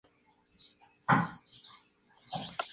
Su pico es cónico, robusto y de color negro.